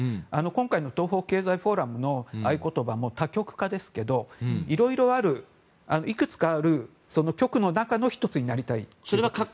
今回の東方経済フォーラムの合言葉も多極化ですけどいくつかある極の中の１つになりたい。